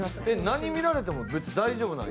何見られても別に大丈夫なんや？